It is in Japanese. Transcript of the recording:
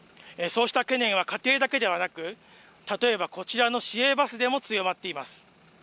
そうした懸念は家庭だけではなく、例えばこちらの市営バスでも強まっています。